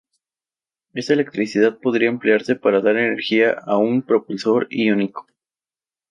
Esta electricidad podría emplearse para dar energía a un propulsor iónico.